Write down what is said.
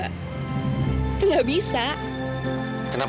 kamu tuh gak boleh ngomong kayak gitu tau gak